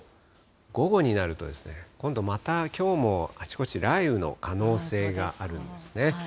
午後になると、今度またきょうも、あちこち雷雨の可能性があるんですね。